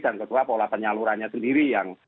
dan kedua pola penyalurannya sendiri yang